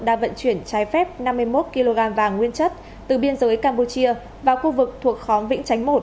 đang vận chuyển trái phép năm mươi một kg vàng nguyên chất từ biên giới campuchia vào khu vực thuộc khóm vĩnh chánh một